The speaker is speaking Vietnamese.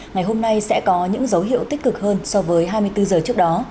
ngày hôm nay sẽ có những dấu hiệu tích cực hơn so với hai mươi bốn giờ trước đó